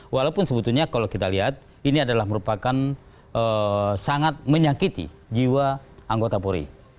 walaupun sebetulnya kalau kita lihat ini adalah merupakan sangat menyakiti jiwa anggota polri